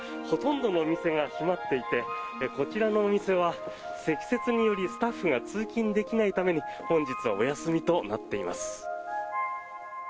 ほとんどのお店が閉まっていてこちらのお店は積雪によりスタッフが通勤できないために本日はお休みとなっています。